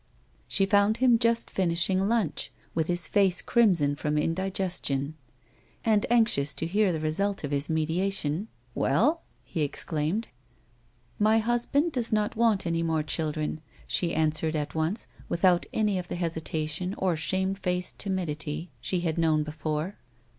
She found him just finishing lunch, with his face crimson fi'om indigestion. He looked up as she came in, and, anxious to hear the result of her mediation, " Well 1 " he exclaimed. " My husband does not want any more children," she answered at once, without any of the hesitation or shame faced timidity she had shown before.